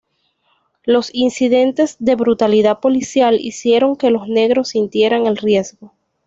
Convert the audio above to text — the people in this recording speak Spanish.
Los incidentes de brutalidad policial hicieron que los negros sintieran el riesgo.